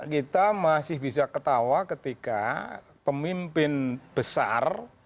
kita masih bisa ketawa ketika pemimpin besar